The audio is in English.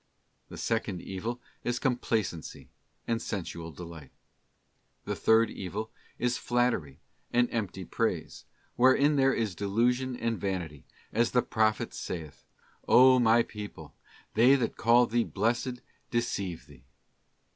The second evil is complacency and sensual delight. The third evil is flattery and empty praise, wherein there is delusion and vanity, as the Prophet saith, 'O my people, they that call thee blessed deceive thee.